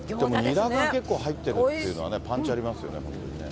ニラが結構入ってるっていうのはパンチありますよね。